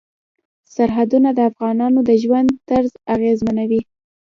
سرحدونه د افغانانو د ژوند طرز اغېزمنوي.